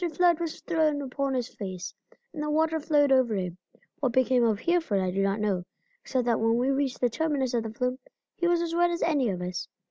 Flood was thrown upon his face, and the waters flowed over him. What became of Hereford I do not know, except that when we reached the terminus of the flume he was as wet as any of us.